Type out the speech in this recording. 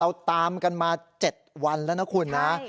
เราตามกันมา๗วันแล้วนะคุณนะ